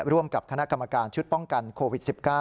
ร่วมกับคณะกรรมการชุดป้องกันโควิด๑๙